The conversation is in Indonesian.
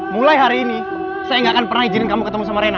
mulai hari ini saya gak akan pernah izinin kamu ketemu sama rena